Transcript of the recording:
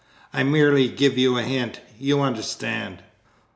I merely give you a hint, you understand!"